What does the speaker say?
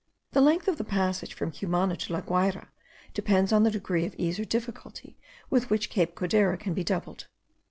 The length of the passage from Cumana to La Guayra depends on the degree of ease or difficulty with which Cape Codera can be doubled.